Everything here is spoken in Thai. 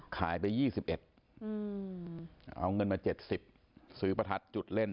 ขายไป๒๑เอาเงินมา๗๐ซื้อประทัดจุดเล่น